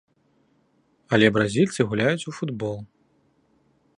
Але бразільцы гуляюць у футбол.